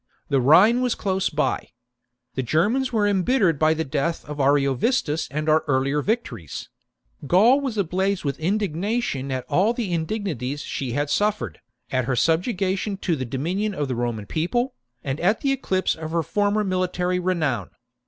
The Rhine was close by. The Germans were embittered by the death of Ariovistus and our earlier victories ; Gaul was ablaze with indignation at all the in dignities she had suffered, at her subjection to the dominion of the Roman People, and at the eclipse of her former military renown.